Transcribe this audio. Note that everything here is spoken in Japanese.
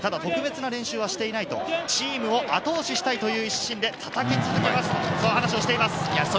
特別な練習はしていないとチームを後押ししたいという一心で、叩き続けますと話しています。